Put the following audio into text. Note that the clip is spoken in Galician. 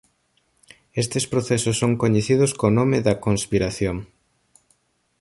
Estes procesos son coñecidos co nome da "Conspiración".